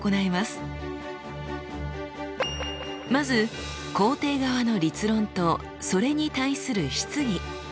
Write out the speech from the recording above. まず肯定側の立論とそれに対する質疑。